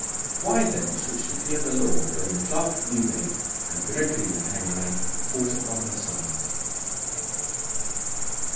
Why then should she fear the law, when the clerk of Newgate and Gregory the Hangman fought upon her side?